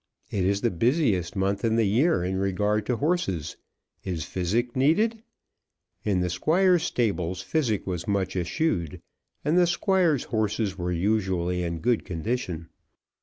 It is the busiest month in the year in regard to horses. Is physic needed? In the Squire's stables physic was much eschewed, and the Squire's horses were usually in good condition.